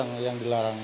nah itu yang dilarang